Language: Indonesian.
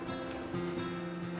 bagaimana menurut ibu nawang